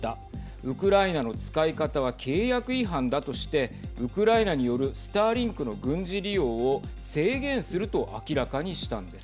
ウクライナの使い方は契約違反だとしてウクライナによるスターリンクの軍事利用を制限すると明らかにしたのです。